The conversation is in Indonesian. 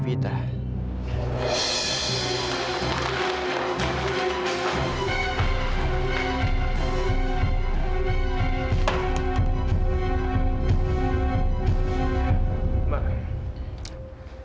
evita sedang berdarah